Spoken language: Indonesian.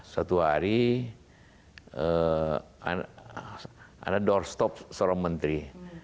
satu hari ada doorstop seorang menteri